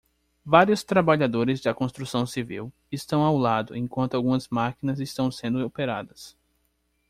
Vários trabalhadores da construção civil estão ao lado enquanto algumas máquinas estão sendo operadas.